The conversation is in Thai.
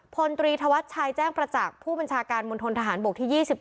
พลตรีธวัชชัยแจ้งประจักษ์ผู้บัญชาการมณฑนทหารบกที่๒๗